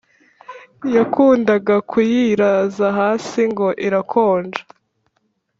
Yakundaga kuyiraza hasi ngo irakonja